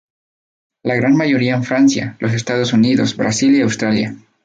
La gran mayoría en Francia, los Estados Unidos, Brasil y Australia.